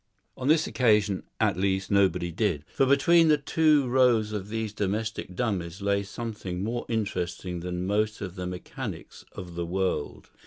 On this occasion, at least, nobody did. For between the two rows of these domestic dummies lay something more interesting than most of the mechanics of the world.